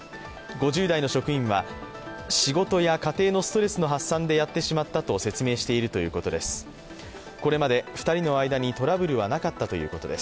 ５０代の職員は、仕事や家庭のストレスの発散でやってしまったと説明しているということです。